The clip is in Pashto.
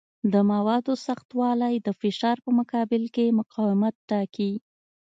د موادو سختوالی د فشار په مقابل کې مقاومت ټاکي.